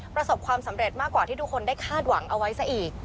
ประสบความสำเร็จมากกว่าที่ทุกคนได้คาดหวังเอาไว้ซะอีก